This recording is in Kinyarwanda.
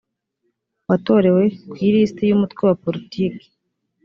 watorewe ku ilisiti y umutwe wa politiki